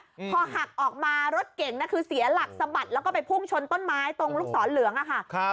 พอหักออกมารถเก่งน่ะคือเสียหลักสะบัดแล้วก็ไปพุ่งชนต้นไม้ตรงลูกศรเหลืองอ่ะค่ะครับ